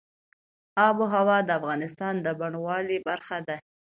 آب وهوا د افغانستان د بڼوالۍ برخه ده.